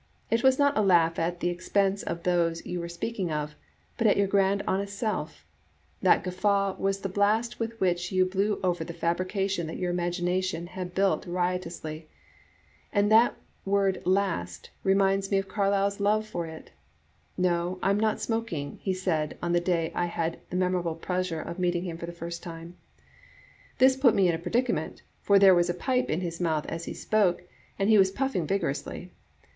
It was not a laugh at the expense of those you were speak ing of, but at your grand honest self. That guffaw was the blast with which you blew over the fabrication that your imagination had built riotously. And that word Am/ reminds me of Carlyle's love for it. 'No, I'm not smoking,' he said on the day I had the mem orable pleasure of meeting him for the first time. Digitized by VjOOQ IC 5. A. JSartfe. zxrii This put me in a predicament, for there was a pipe in his mouth as he spoke, and he was puffing vigorously.